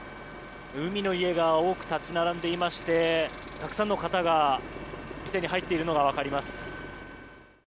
海の家が多く立ち並んでいましてたくさんの方が店に入っているのがわかります。